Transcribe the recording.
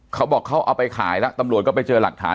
เขาบอกเขาเอาไปขายแล้วตำรวจก็ไปเจอหลักฐาน